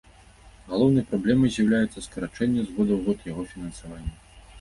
Галоўнай праблемай з'яўляецца скарачэнне з года ў год яго фінансавання.